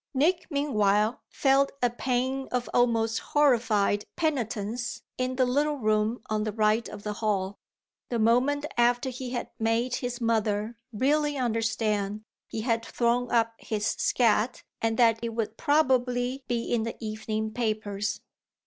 Nick meanwhile felt a pang of almost horrified penitence, in the little room on the right of the hall, the moment after he had made his mother really understand he had thrown up his scat and that it would probably be in the evening papers.